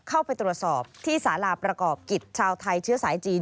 เข้าไปตรวจสอบที่สาราประกอบกิจชาวไทยเชื้อสายจีน